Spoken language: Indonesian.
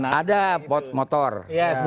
dia ikut dalam atraksi tong setan